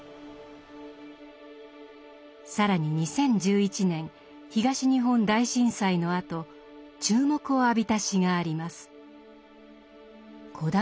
更に２０１１年東日本大震災のあと注目を浴びた詩があります。